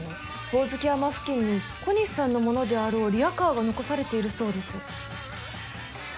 ホオズキ山付近に小西さんのものであろうリアカーが残されているそうです。